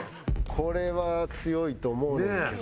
これは強いと思うねんけど。